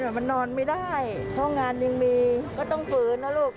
เหมือนมันนอนไม่ได้โครงงานยังมีก็ต้องฝืนนะลูก